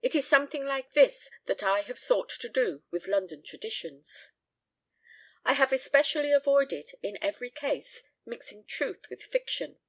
It is something like this that I have sought to do with London traditions. I have especially avoided, in every case, mixing truth with fiction.